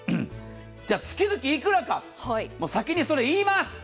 月々いくらか、先にそれを言います